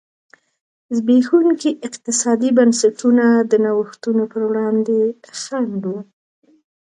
زبېښونکي اقتصادي بنسټونه د نوښتونو پر وړاندې خنډ و.